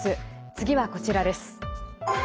次はこちらです。